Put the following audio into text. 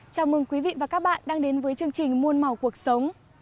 chào mừng quý vị và các bạn đang đến với chương trình muôn màu cuộc sống